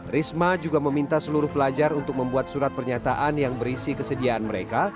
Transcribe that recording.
risma juga meminta seluruh pelajar untuk membuat surat pernyataan yang berisi kesediaan mereka